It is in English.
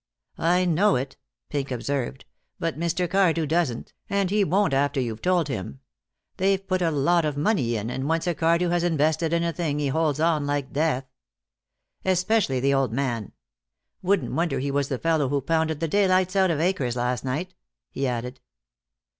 "I know it," Pink observed, "but Mr. Cardew doesn't, and he won't after you've told him. They've put a lot of money in, and once a Cardew has invested in a thing he holds on like death. Especially the old man. Wouldn't wonder he was the fellow who pounded the daylights out of Akers last night," he added.